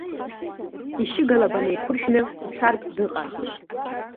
Ишьыга лаба наиқәыршәны уцартә дыҟан.